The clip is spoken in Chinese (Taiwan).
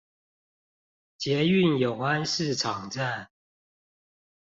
捷運永安市場站